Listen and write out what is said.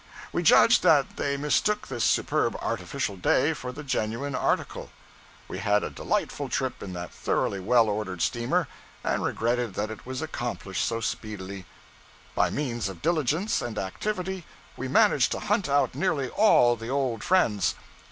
We judged that they mistook this superb artificial day for the genuine article. We had a delightful trip in that thoroughly well ordered steamer, and regretted that it was accomplished so speedily. By means of diligence and activity, we managed to hunt out nearly all the old friends.